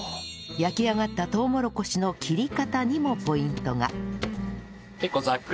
焼き上がったとうもろこしの切り方にもポイントが